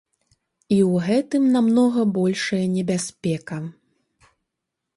І ў гэтым намнога большая небяспека.